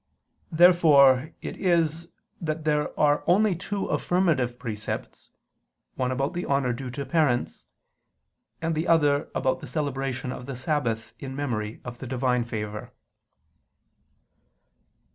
Therefore it is that there are only two affirmative precepts; one about the honor due to parents, the other about the celebration of the Sabbath in memory of the Divine favor.